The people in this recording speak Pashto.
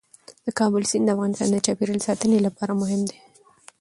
د کابل سیند د افغانستان د چاپیریال ساتنې لپاره مهم دی.